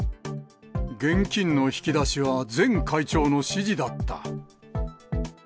現金の引き出しは前会長の指示だった。